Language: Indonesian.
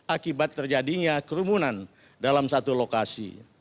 akibat terjadinya kerumunan dalam satu lokasi